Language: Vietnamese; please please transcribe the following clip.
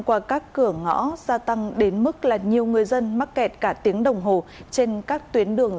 qua các cửa ngõ gia tăng đến mức là nhiều người dân mắc kẹt cả tiếng đồng hồ trên các tuyến đường